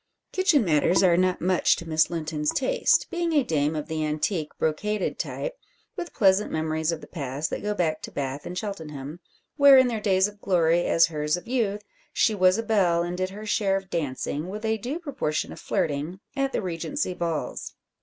Kitchen matters are not much to Miss Linton's taste, being a dame of the antique brocaded type, with pleasant memories of the past, that go back to Bath and Cheltenham; where, in their days of glory, as hers of youth, she was a belle, and did her share of dancing, with a due proportion of flirting, at the Regency balls.